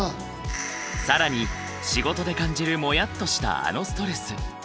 更に仕事で感じるモヤッとしたあのストレス。